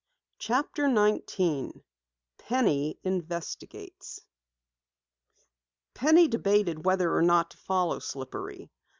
CHAPTER 19 PENNY INVESTIGATES Penny debated whether or not to follow Slippery.